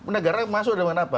negara masuk dengan apa